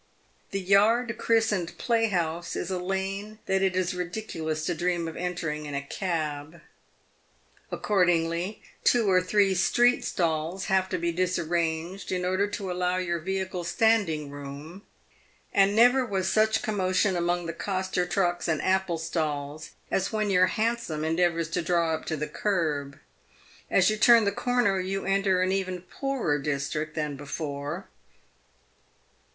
The yard christened Playhouse is a lane that it is ridiculous to dream of entering in a cab. Accordingly, two or three street stalls have to be disarranged, in order to allow your vehicle standing room, and never was such commotion among the coster trucks and apple stalls as when your Hansom endeavours to draw up to the kerb. As you turn the corner, you enter even a poorer district than before.